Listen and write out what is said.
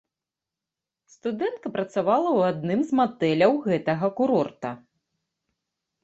Студэнтка працавала ў адным з матэляў гэтага курорта.